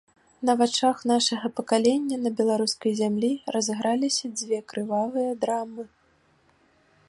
На вачах нашага пакалення на беларускай зямлі разыграліся дзве крывавыя драмы.